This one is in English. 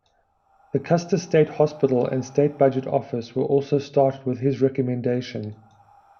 The Custer State Hospital and state budget office were also started with his recommendation.